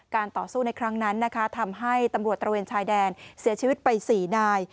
ต่อสู้ในครั้งนั้นนะคะทำให้ตำรวจตระเวนชายแดนเสียชีวิตไป๔นาย